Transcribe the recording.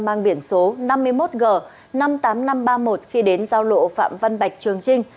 mang biển số năm mươi một g năm mươi tám nghìn năm trăm ba mươi một khi đến giao lộ phạm văn bạch trường trinh